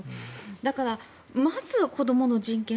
だから、まずは子どもの人権